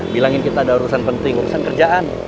bilangin kita ada urusan penting urusan kerjaan